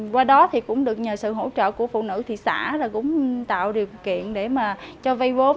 qua đó thì cũng được nhờ sự hỗ trợ của phụ nữ thị xã là cũng tạo điều kiện để mà cho vây vốn